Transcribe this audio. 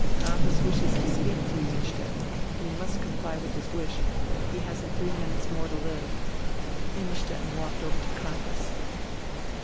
"Crampas wishes to speak to you, Innstetten. You must comply with his wish. He hasn't three minutes more to live." Innstetten walked over to Crampas.